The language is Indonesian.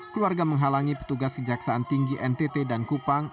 keluarga menghalangi petugas kejaksaan tinggi ntt dan kupang